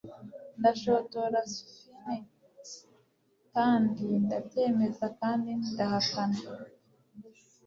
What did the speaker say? Ndashotora sphinx kandi ndabyemeza kandi ndahakana